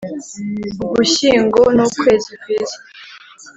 Ugushyingo nukwezi kwiza.